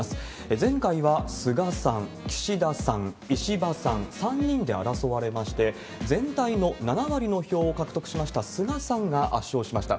前回はすがさん岸田さん、石破さん、３人で争われまして、全体の７割の票を獲得しました菅さんが圧勝しました。